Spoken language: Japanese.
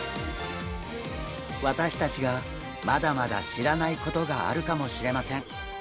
私たちがまだまだ知らないことがあるかもしれません。